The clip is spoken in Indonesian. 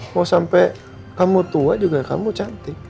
mau sampai kamu tua juga kamu cantik